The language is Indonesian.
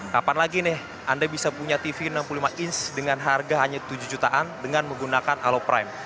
kapan lagi nih anda bisa punya tv enam puluh lima inch dengan harga hanya tujuh jutaan dengan menggunakan aloprime